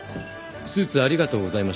スーツありがとうございました。